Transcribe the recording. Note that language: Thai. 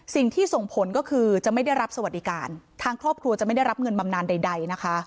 สิ่งที่ส่งผลก็คือจะไม่ได้รับสวัสดิการทางครอบครัวจะไม่ได้รับเงินบำนานใดนะคะ